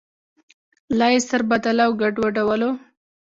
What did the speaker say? لا یې سربداله او ګډوډولو.